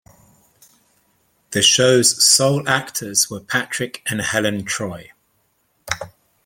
The show's sole actors were Patrick and Helen Troy.